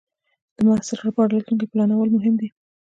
د محصل لپاره راتلونکې پلانول مهم دی.